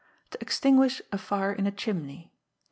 To Extinguish a Fire in a Chimney (2).